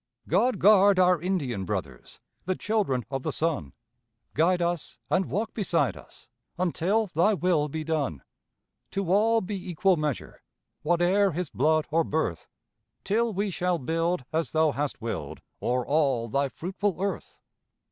God guard our Indian brothers, The Children of the Sun, Guide us and walk beside us, Until Thy will be done. To all be equal measure, Whate'er his blood or birth, Till we shall build as Thou hast willed O'er all Thy fruitful Earth.